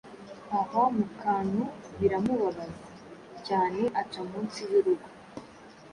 ahwa mu kantu biramubabaza cyane aca munsi y’urugo,